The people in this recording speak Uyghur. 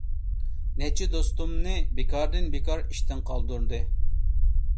نەچچە دوستۇمنى بىكاردىن-بىكار ئىشتىن قالدۇردى.